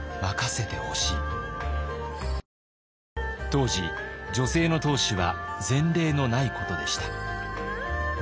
当時女性の当主は前例のないことでした。